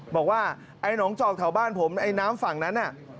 บอกว่าไอ้หนองจอกแถวบ้านผมไอ้น้ำฝั่งนั้นน่ะ